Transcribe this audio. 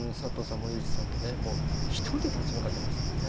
森内さんとねもう一人で立ち向かってましたからね。